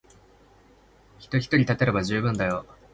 人ひとり立てれば充分だよ。